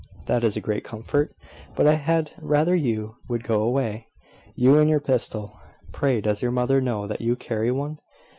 "That is a great comfort. But I had rather you would go away, you and your pistol. Pray, does your mother know that you carry one?"